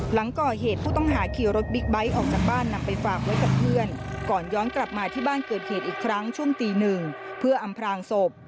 หลังก่อเหตุผู้ต้องหาขี่รถบิ๊กไบท์ออกจากบ้านนำไปฝากไว้กับเพื่อนก่อนย้อนกลับมาที่บ้านเกิดเหตุอีกครั้งช่วงตีหนึ่งเพื่ออำพลางศพ